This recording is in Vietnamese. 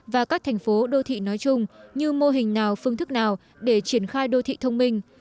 và các thành phố đô thị nói chung như mô hình nào phương thức nào để triển khai đô thị thông minh